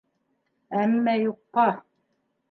Әммә юҡҡа.